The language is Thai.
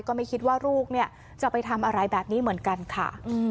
ก็ไม่คิดว่าลูกเนี่ยจะไปทำอะไรแบบนี้เหมือนกันค่ะ